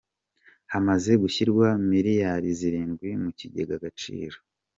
Hamaze gushyirwa Miliyari zirindwi mu kigega Agaciro